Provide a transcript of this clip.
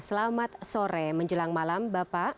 selamat sore menjelang malam bapak